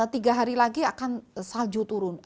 tiga hari lagi akan salju turun